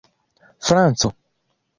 franco